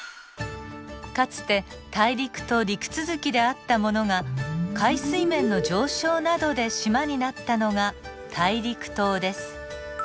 かつて大陸と陸続きであったものが海水面の上昇などで島になったのが大陸島です。